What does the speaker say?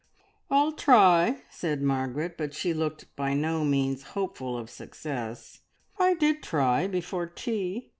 "I'll try!" said Margaret, but she looked by no means hopeful of success. "I did try before tea.